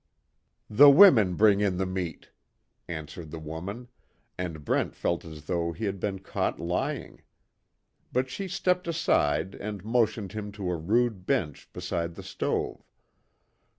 "The women bring in the meat," answered the woman, and Brent felt as though he had been caught lying. But, she stepped aside and motioned him to a rude bench beside the stove.